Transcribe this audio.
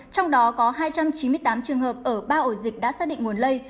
trong đó có hai trăm chín mươi tám trường hợp ở ba ổ dịch đã xác định nguồn lây